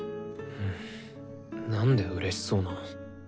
なんでうれしそうなの。